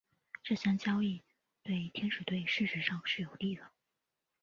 这项交易对天使队事实上是有利的。